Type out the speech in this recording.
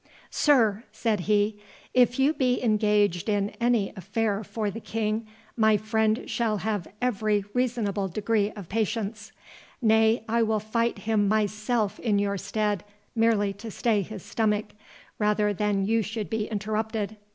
"Sir," said he, "if you be engaged in any affair for the King, my friend shall have every reasonable degree of patience—Nay, I will fight him myself in your stead, merely to stay his stomach, rather than you should be interrupted.